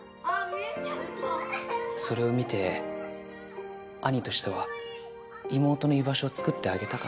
それを見て兄としては妹の居場所を作ってあげたかった。